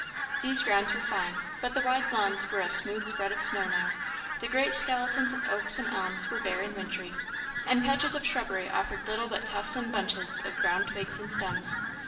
These grounds were fine, but the wide lawns were a smooth spread of snow now; the great skeletons of oaks and elms were bare and wintry; and patches of shrubbery offered little but tufts and bunches of brown twigs and stems.